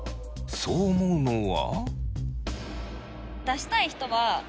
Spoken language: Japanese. そう思うのは。